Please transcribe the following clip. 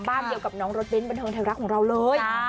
บ้านเดียวกับน้องรถเบ้นบันเทิงไทยรัฐของเราเลย